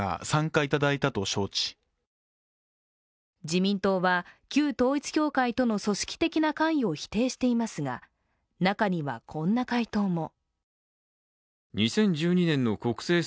自民党は旧統一教会との組織的な関与を否定していますが中にはこんな回答も。